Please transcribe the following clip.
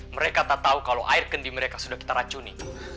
mereka tak tahu kalau air kendi mereka sudah kita racuni